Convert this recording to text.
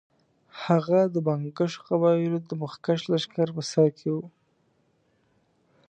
هغه د بنګښو قبایلو د مخکښ لښکر په سر کې وو.